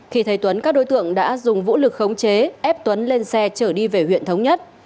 khi thấy tuấn các đối tượng đã dùng vũ lực khống chế ép tuấn lên xe chở đi về huyện thống nhất